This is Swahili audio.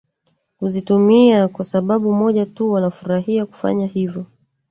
kuzitumia kwa sababu moja tu Wanafurahia kufanya hivyo